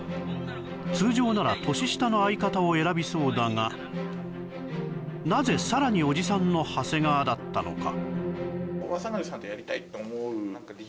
通常なら年下の相方を選びそうだがなぜさらにおじさんの長谷川だったのか？